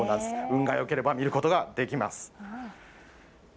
運がよければ見ることができます。